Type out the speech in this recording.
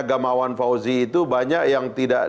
gamawan fauzi itu banyak yang tidak